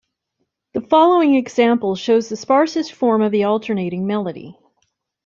The following example shows the sparsest form of the alternating melody.